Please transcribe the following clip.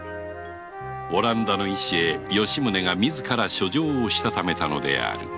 オランダの医師へ吉宗が自ら書状をしたためたのである